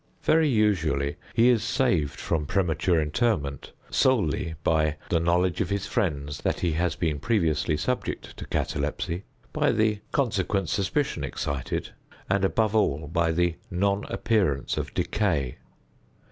Very usually he is saved from premature interment solely by the knowledge of his friends that he has been previously subject to catalepsy, by the consequent suspicion excited, and, above all, by the non appearance of decay.